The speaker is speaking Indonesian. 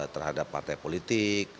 terhadap partai politik